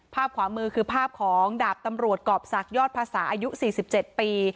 ภาพขวามือคือภาพของดาบตำรวจกรอบศักดิยอดภาษาอายุ๔๗ปี